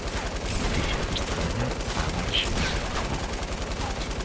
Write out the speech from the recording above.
Noticia desta mañá á marxe do fútbol.